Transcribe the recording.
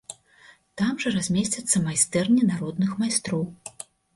Там жа размесцяцца майстэрні народных майстроў.